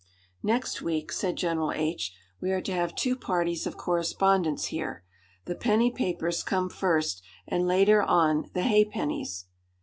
"Next week," said General H , "we are to have two parties of correspondents here. The penny papers come first, and later on the ha'pennies!"